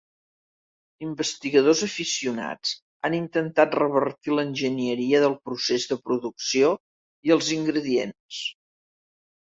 Investigadors aficionats han intentat revertir l'enginyeria del procés de producció i els ingredients.